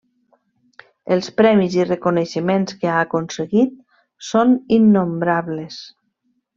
Els premis i reconeixements que ha aconseguit són innombrables.